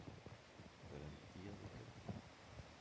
Garantía de calidad.